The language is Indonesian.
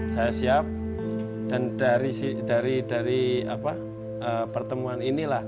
saya siap dan dari pertemuan inilah